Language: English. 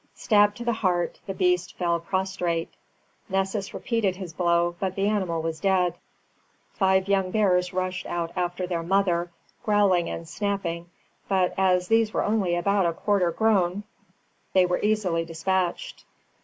Stabbed to the heart, the beast fell prostrate. Nessus repeated his blow, but the animal was dead. Five young bears rushed out after their mother, growling and snapping; but as these were only about a quarter grown they were easily despatched.